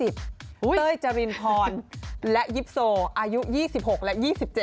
เต้ยจรินพรและยิปโซอายุ๒๖และ๒๗